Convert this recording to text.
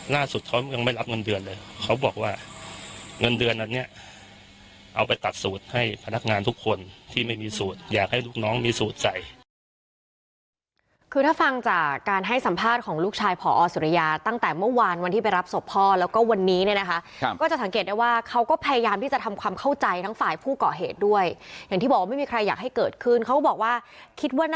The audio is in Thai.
ยังไม่รับเงินเดือนเลยเขาบอกว่าเงินเดือนอันนี้เอาไปตัดสูตรให้พนักงานทุกคนที่ไม่มีสูตรอยากให้ลูกน้องมีสูตรใจคือถ้าฟังจากการให้สัมภาษณ์ของลูกชายผ่ออสุรยาตั้งแต่เมื่อวานวันที่ไปรับศพพ่อแล้วก็วันนี้เนี้ยนะคะครับก็จะสังเกตได้ว่าเขาก็พยายามที่จะทำความเข้าใจทั้งฝ่ายผู้เกาะเหตุด